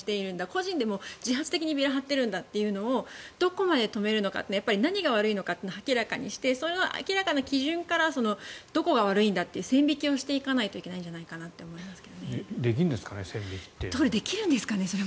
個人で自発的にビラを貼っているんだというところをどこまで止めるのか何が悪いのかを明らかにしてその明らかに基準からどこが悪いんだという線引きをしていかないといけないと思うんです。